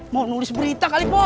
mau nulis berita kali bos